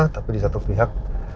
tapi di satu pihak